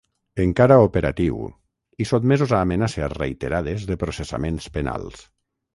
Encara operatiu, i sotmesos a amenaces reiterades de processaments penals.